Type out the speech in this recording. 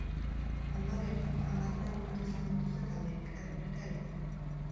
Ondoren, hamarna minutu izango dituzte taldeek, erreplika egiteko.